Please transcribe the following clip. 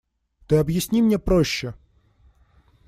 Ты объясни мне проще.